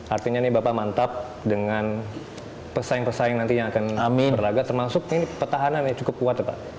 artinya ini bapak mantap dengan pesaing pesaing nantinya akan berlagak termasuk ini pertahanannya cukup kuat pak